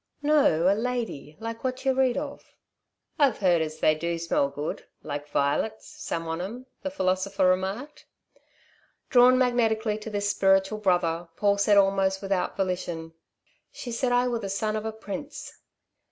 "No. A lady. Like what yo' read of." "I've heard as they do smell good; like violets some on 'em," the philosopher remarked. Drawn magnetically to this spiritual brother, Paul said almost without volition, "She said I were the son of a prince."